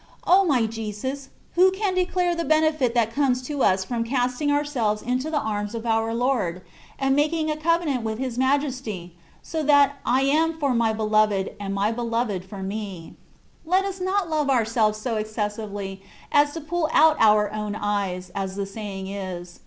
O my Jesus ! who can declare the benefit that comes to us tram casting our selves into the arms of our Lord, and making a covenant with His Majesty, so that " I am for my Beloved, and my Beloved for me/' Let us not love ourselves so excessively as ^' to pull out our own eyes,'^ as the saying is.